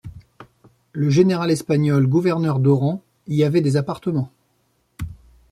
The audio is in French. Le général espagnol, gouverneur d'Oran, y avait des appartements.